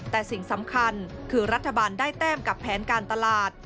แต่สิ่งสำคัญคือรัฐบาลได้แต้มกับแผนการตลาด